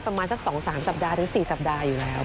ประมาณสัก๒๓สัปดาห์ถึง๔สัปดาห์อยู่แล้ว